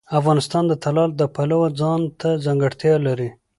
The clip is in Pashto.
افغانستان د طلا د پلوه ځانته ځانګړتیا لري.